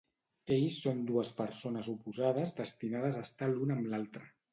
Ells són dues persones oposades destinades a estar l'un amb l'altre.